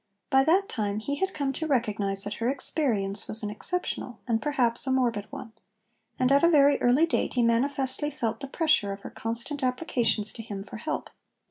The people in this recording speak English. By that time he had come to recognise that her experience was an exceptional and, perhaps, a morbid one; and at a very early date he manifestly felt the pressure of her constant applications to him for help.